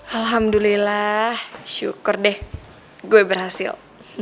alhamdulillah syukur deh gue berhasil